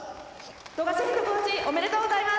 富樫ヘッドコーチおめでとうございます。